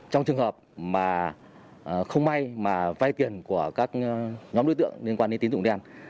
trong trường hợp mà không may mà vay tiền của các nhóm đối tượng liên quan đến tín dụng đen